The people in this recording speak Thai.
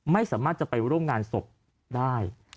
ไม่สามารถจะไปร่วมงานศพได้